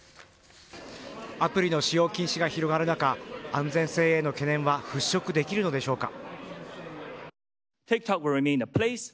アプリの使用禁止が広がる中安全性への懸念は払拭できるのでしょうか。